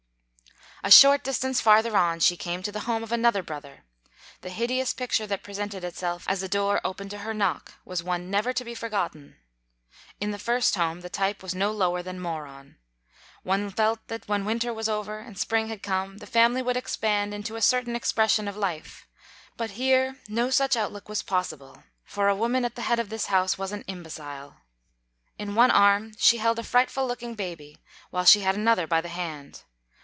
A short distance farther on, she came to the home of another brother. The hideous picture that pre sented itself as the door opened to her knock was one never to be forgotten. In the first home, the type was no lower than moron. One felt that when winter was over and spring had come, the family would expand into a certain expression of life but here, no such outlook was possible, for the woman at the head of this house was an imbecile. In one arm she held a fright ful looking baby, while she had another by the hand.